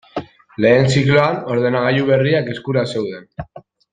Lehen zikloan ordenagailu berriak eskura zeuden.